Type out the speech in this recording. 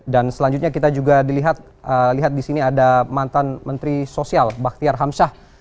dan selanjutnya kita juga dilihat disini ada mantan menteri sosial baktyar hamsah